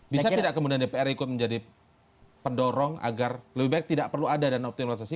bisa tidak kemudian dpr ikut menjadi pendorong agar lebih baik tidak perlu ada dana optimalisasi